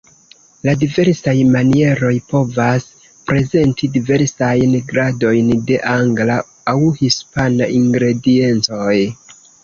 La diversaj manieroj povas prezenti diversajn gradojn de angla aŭ hispana ingrediencoj.